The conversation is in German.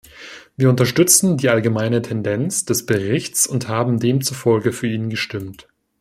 Wir unterstützen die allgemeine Tendenz des Berichts und haben demzufolge für ihn gestimmt.